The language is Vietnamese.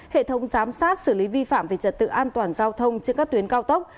hệ thống giám sát xử lý vi phạm về trật tự an toàn giao thông trên các tuyến cao tốc